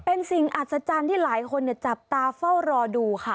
เป็นสิ่งอัศจรรย์ที่หลายคนจับตาเฝ้ารอดูค่ะ